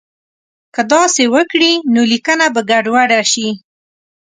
که داسې وکړي نو لیکنه به ګډوډه شي.